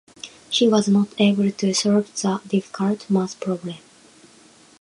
She was not able to solve the difficult math problem.